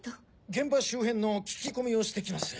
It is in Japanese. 現場周辺の聞き込みをしてきます。